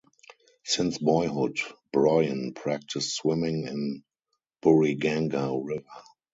Since boyhood Brojen practised swimming in Buriganga River.